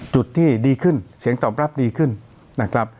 จุดที่ดีขึ้นเสียงตอบรับดีขึ้นนะครับ